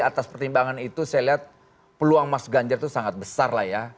atas pertimbangan itu saya lihat peluang mas ganjar itu sangat besar lah ya